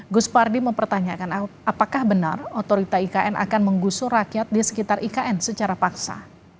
gus pardi mempertanyakan apakah benar otorita ikn akan menggusur rakyat di sekitar ikn secara paksa